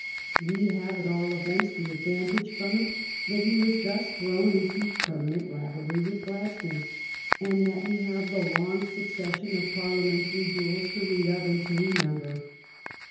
We have, at all events, the advantage from it that he was thus thrown into permanent rivalry with Gladstone, and that we have the long succession of Parliamentary duels to read of and to remember.